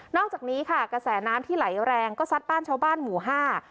อกจากนี้ค่ะกระแสน้ำที่ไหลแรงก็ซัดบ้านชาวบ้านหมู่ห้า